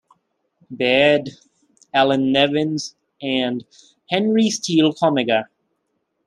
Beard, Allan Nevins, and Henry Steele Commager.